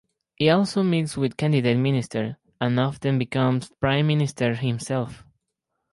He also meets with candidate ministers and often becomes Prime Minister himself.